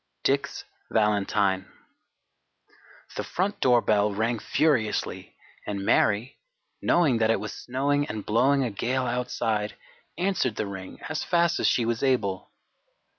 DICK'S VALENTINE The front doorbell rang furiously and Mary, knowing that it was snowing and blowing a gale outside, answered the ring as fast as she was able.